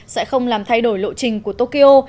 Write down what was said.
sẽ không làm thay đổi lộ trình của tokyo